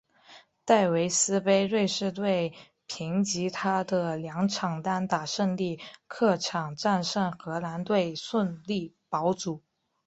戴维斯杯瑞士队凭藉他的两场单打胜利客场战胜荷兰队顺利保组。